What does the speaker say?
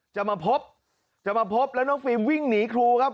จะมาพบจะมาพบแล้วน้องฟิล์มวิ่งหนีครูครับ